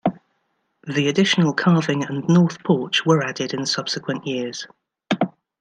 The additional carving and north porch were added in subsequent years.